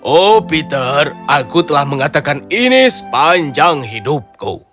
oh peter aku telah mengatakan ini sepanjang hidupku